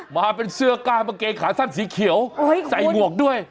มาเป็นเสื้อกล้ากางเกงขาสั้นสีเขียวใส่หมวกด้วย